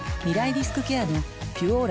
リスクケアの「ピュオーラ」